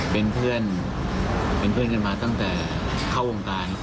เป็นเพื่อนกันมาตั้งแต่เข้าวงการ